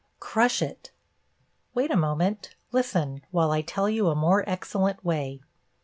Crush it! Wait a moment, listen, while I tell you a more excellent way.